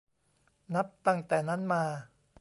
นับตั้งแต่นั้นมา